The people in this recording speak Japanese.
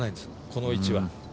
この位置は。